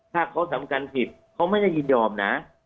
ถ้าเขาทำการผิดเขาไม่กินยอมนะ